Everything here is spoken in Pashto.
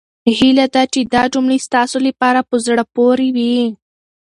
هيله ده چې دا جملې ستاسو لپاره په زړه پورې وي.